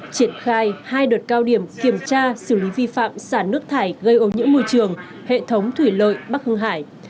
triển khai hai đợt cao điểm kiểm tra xử lý vi phạm xả nước thải gây ô nhiễm môi trường hệ thống thủy lợi bắc hương hải